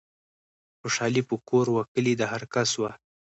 خوشحالي په کور و کلي د هرکس وه